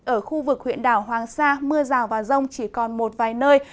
ở khu vực huyện đảo hoàng sa mưa rào và rông chỉ còn một vài nơi